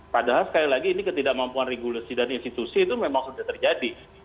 padahal sekali lagi ini ketidakmampuan regulasi dan institusi itu memang sudah terjadi